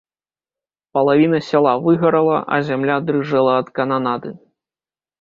Палавіна сяла выгарала, а зямля дрыжэла ад кананады.